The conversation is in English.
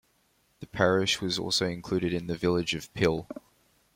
The parish also included the village of Pill.